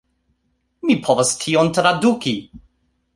Mi povas tion traduki